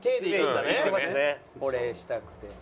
「お礼したくて」。